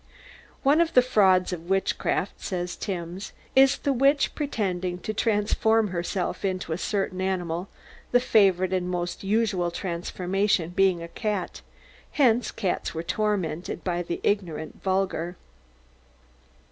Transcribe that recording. "One of the frauds of witchcraft," says Timbs, "is the witch pretending to transform herself into a certain animal, the favourite and most usual transformation being a cat; hence cats were tormented by the ignorant vulgar."